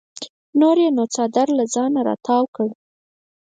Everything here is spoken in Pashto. نور یې نو څادر له ځانه راتاو کړ.